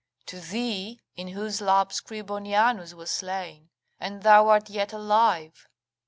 to thee in whose lap Scribonianus was slain, and thou art yet alive!"